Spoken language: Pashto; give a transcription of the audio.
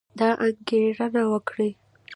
دا انګېرنه وکړئ